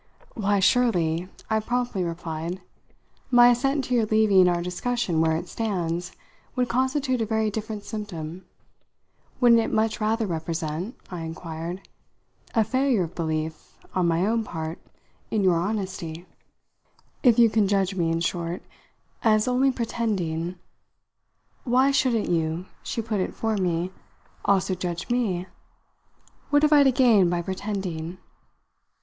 "Why, surely," I promptly replied, "my assent to your leaving our discussion where it stands would constitute a very different symptom. Wouldn't it much rather represent," I inquired, "a failure of belief on my own part in your honesty? If you can judge me, in short, as only pretending " "Why shouldn't you," she put in for me, "also judge me? What have I to gain by pretending?"